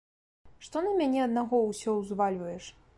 Што на мяне аднаго ўсё ўзвальваеш?